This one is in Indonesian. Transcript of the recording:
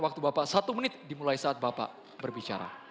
waktu bapak satu menit dimulai saat bapak berbicara